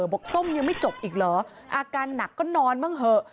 ส้มยังไม่จบอีกเหรออาการหนักก็นอนบ้างเถอะ